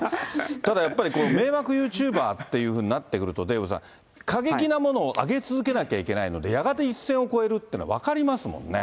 ただやっぱり、迷惑ユーチューバーということになってくると、デーブさん、過激なものを上げ続けなきゃいけないので、やがて一線を越えるというのは分かりますもんね。